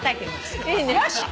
よし！